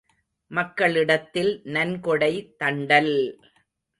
மக்களிடத்தில் நன்கொடை தண்டல்!